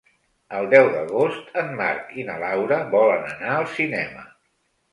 El deu d'agost en Marc i na Laura volen anar al cinema.